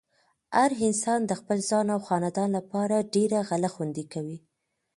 هر انسان د خپل ځان او خاندان لپاره ډېره غله خوندې کوي۔